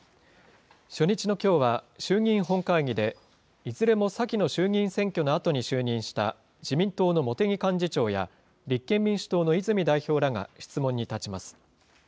初日のきょうは、衆議院本会議で、いずれも先の衆議院選挙のあとに就任した、自民党の茂木幹事長や、立憲民主党の泉代表らが質問に立ちます。